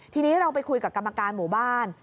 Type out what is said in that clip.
ทีนี้เราไปคุยกับกรรมการหมู่บ้าน